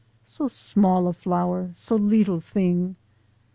So smalla flower, so leetla theeng!